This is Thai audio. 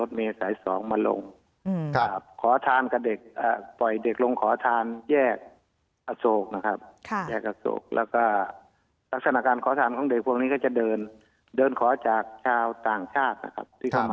เดี๋ยวก็จะเดินเดินขอจากชาวต่างชาติ